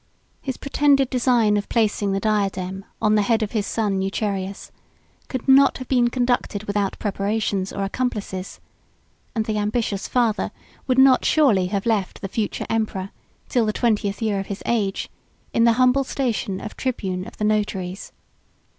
His pretended design of placing the diadem on the head of his son Eucherius, could not have been conducted without preparations or accomplices; and the ambitious father would not surely have left the future emperor, till the twentieth year of his age, in the humble station of tribune of the notaries.